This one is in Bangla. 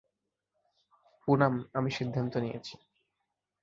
পুনাম, আমি সিদ্ধান্ত নিয়েছি!